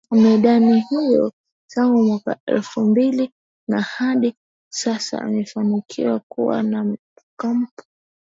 medani hiyo tangu mwaka wa elfu mbili na hadi sasa amefanikiwa kuwa na kapu